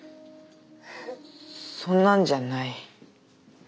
そんなんじゃない。